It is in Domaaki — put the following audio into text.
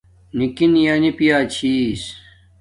نِکِیݳ نݵ پِیݳ چھݵس.